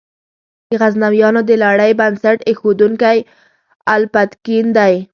د غزنویانو د لړۍ بنسټ ایښودونکی الپتکین دی.